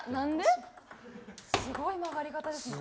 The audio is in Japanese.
すごい曲がり方です。